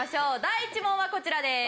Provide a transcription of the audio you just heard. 第１問はこちらです。